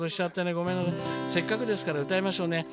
せっかくですから歌いましょう。